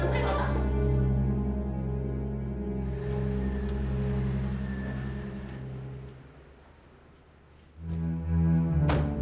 sebentar pak saya mau ketemu anak saya pak